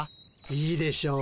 いいでしょう。